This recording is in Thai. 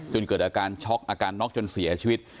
เกิดอาการช็อกอาการน็อกจนเสียชีวิต